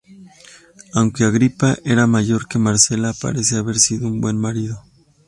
Aunque Agripa era mayor que Marcela, parece haber sido un buen marido.